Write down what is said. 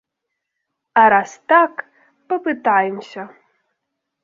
А раз так, папытаемся!